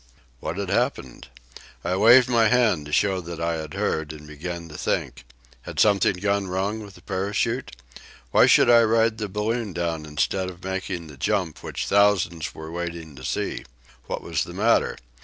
What had happened? I waved my hand to show that I had heard, and began to think. Had something gone wrong with the parachute? Why should I ride the balloon down instead of making the jump which thousands were waiting to see? What was the matter?